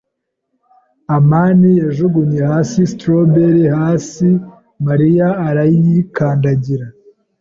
amani yajugunye hasi strawberry hasi Mariya arayikandagira.